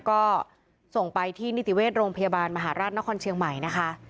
ก็ส่งไปที่นิติเวชโรงพยาบาลมหาราชนครเชียงใหม่นะคะ